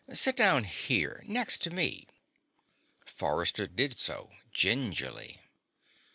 "Sit down here, next to me." Forrester did so, gingerly.